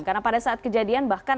karena pada saat kejadian bahkan ada yang